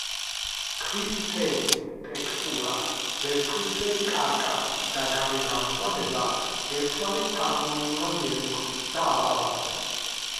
ქვის ფერი, ტექსტურა, ვერცხლისფერი კარკასი და გარე გამწვანება ერთმანეთს ჰარმონიულად ერწყმის და აბალანსებს.